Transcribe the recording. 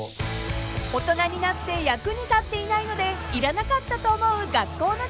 ［大人になって役に立っていないのでいらなかったと思う学校の授業］